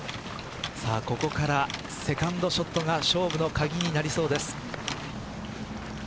ここからセカンドショットが勝負の鍵になりそうです。